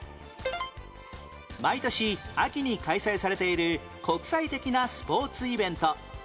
毎年秋に開催されている国際的なスポーツイベント